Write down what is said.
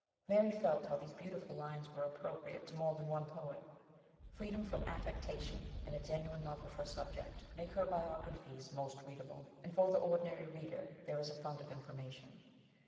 Mary felt how these beautiful lines were appropriate to more than one poet. Freedom from affectation, and a genuine love of her subject, make her biogra phies most readable, and for the ordinary reader there is a fund of information.